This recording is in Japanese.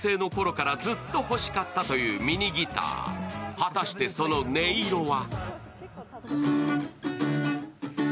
果たして、その音色は？